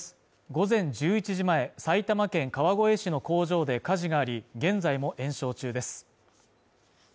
午前１１時前埼玉県川越市の工場で火事があり現在も延焼中です